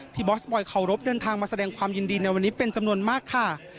บอสบอยเคารพเดินทางมาแสดงความยินดีในวันนี้เป็นจำนวนมากค่ะ